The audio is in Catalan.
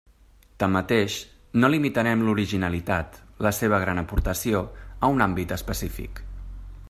Tanmateix, no limitarem l'originalitat, la seva gran aportació, a un àmbit específic.